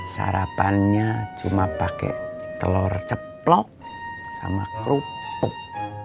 sarapannya cuma pakai telur ceplok sama kerupuk